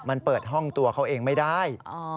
มันเปิดห้องตัวเขาเองไม่ได้